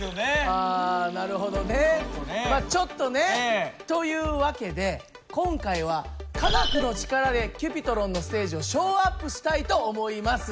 あなるほどね。まあちょっとね。という訳で今回は科学の力でＣｕｐｉｔｒｏｎのステージをショーアップしたいと思います。